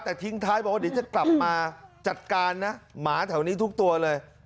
แต่ทิ้งท้ายบอกว่าเดี๋ยวจะกลับมาจัดการนะหมาแถวนี้ทุกตัวเลย